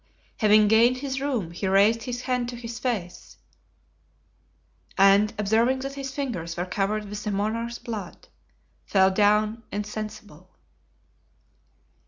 Having gained his room he raised his hand to his face, and observing that his fingers were covered with the monarch's blood, fell down insensible.